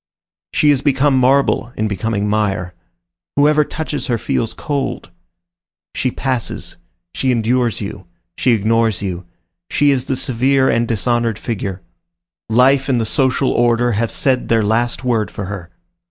She has become marble in becoming mire. Whoever touches her feels cold. She passes; she endures you; she ignores you; she is the severe and dishonored figure. Life and the social order have said their last word for her.